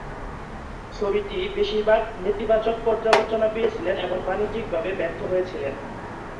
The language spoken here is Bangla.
ছবিটি বেশিরভাগ নেতিবাচক পর্যালোচনা পেয়েছিল এবং বাণিজ্যিকভাবে ব্যর্থ হয়েছিল।